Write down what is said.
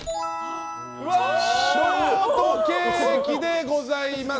ショートケーキでございます。